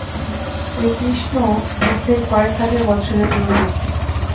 এই কৃষ্ণ বুদ্ধের কয়েক হাজার বৎসরের পূর্ববর্তী।